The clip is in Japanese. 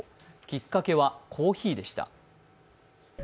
きっかけはコーヒーでした。